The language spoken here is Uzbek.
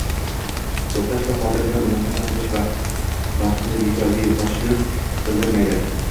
To‘xtash va xotirjam mulohaza qilish vaqtni bekorga yo‘qotishni bildirmaydi